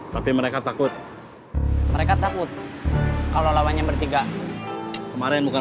saya justru mau latihannya keras